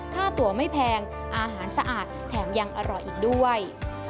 ค่าตัวไม่แพงอาหารสะอาดแถมยังอร่อยอีกด้วย